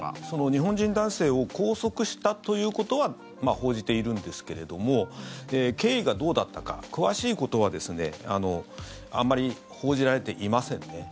日本人男性を拘束したということは報じているんですけれども経緯がどうだったか詳しいことはですねあまり報じられていませんね。